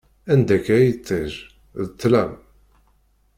Anda-k a yiṭij, d ṭṭlam!